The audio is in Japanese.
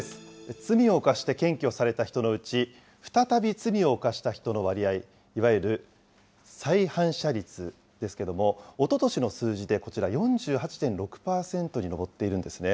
罪を犯して検挙された人のうち、再び罪を犯した人の割合、いわゆる再犯者率ですけども、おととしの数字でこちら、４８．６％に上っているんですね。